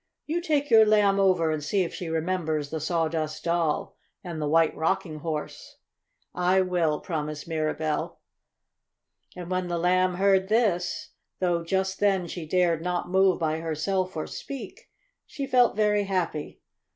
"You take your Lamb over and see if she remembers the Sawdust Doll and the White Rocking Horse." "I will!" promised Mirabell. And when the Lamb heard this, though just then she dared not move by herself or speak, she felt very happy.